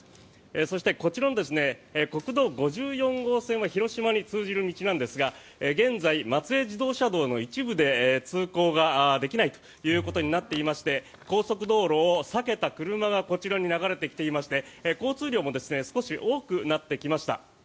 そして、こちらの国道５４号線は広島に通じる道なんですが現在、松江自動車道の一部で通行ができないということになっていて高速道路を避けた車がこちらに流れてきていまして交通量も少し多くなってきました。